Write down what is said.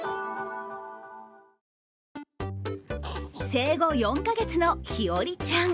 生後４か月のひおりちゃん。